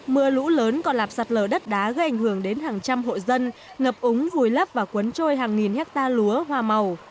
mưa lũ lớn còn lạp sạt lở đất đá gây ảnh hưởng đến hàng trăm hộ dân ngập úng vùi lấp và cuốn trôi hàng nghìn hectare lúa hoa màu